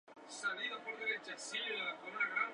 Este río nace en los montes Urales.